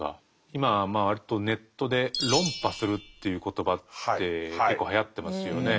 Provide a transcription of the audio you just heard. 今まあ割とネットで「論破する」という言葉って結構はやってますよね。